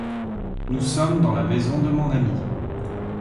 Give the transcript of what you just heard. Nous sommes dans la maison de mon amie.